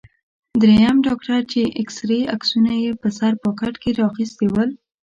دریم ډاکټر چې د اېکسرې عکسونه یې په سر پاکټ کې را اخیستي ول.